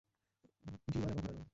V1, এবং ঘোরানো।